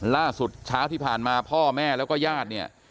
ล่าสุดเช้าที่ผ่านมาพ่อแม่แล้วก็ญาติเนี่ย